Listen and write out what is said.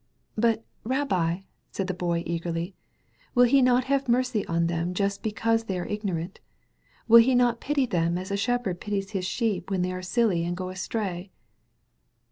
"But, Rabbi,*' said the Boy eagerly, "will He not have mercy on them just because they are ig norant ? Will He not pity them as a shepherd pities his sheep when they are silly and go astray?"